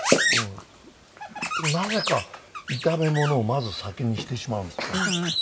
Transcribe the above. でもなぜか炒め物をまず先にしてしまうんですよね。